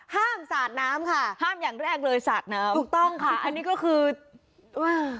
สาดน้ำค่ะห้ามอย่างแรกเลยสาดน้ำถูกต้องค่ะอันนี้ก็คือว่า